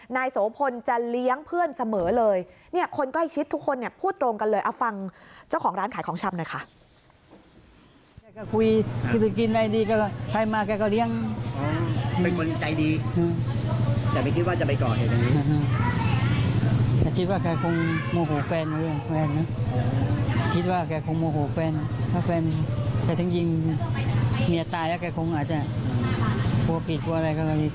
นายโสพลจะเลี้ยงเพื่อนเสมอเลยเนี่ยคนใกล้ชิดทุกคนเนี่ยพูดตรงกันเลยเอาฟังเจ้าของร้านขายของชำหน่อยค่ะ